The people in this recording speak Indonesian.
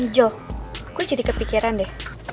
jel gue jadi kepikiran deh